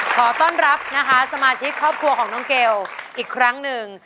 ขอต้อนรับนะคะสมาชิกครอบครัวของน้องเกลอีกครั้งหนึ่ง